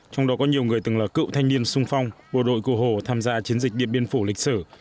trong đó có nhiều người từng là cựu thanh niên sung phong bộ đội cổ hồ tham gia chiến dịch điện biên phủ lịch sử